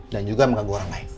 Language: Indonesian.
dan juga mengganggu orang lain